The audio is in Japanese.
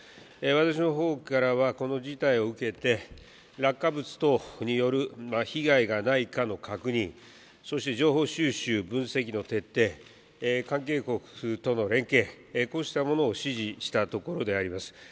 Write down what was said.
私のほうからは、この事態を受けて、落下物等による被害がないかの確認、そして情報収集、分析の徹底、関係国との連携、こうしたものを指示したところであります。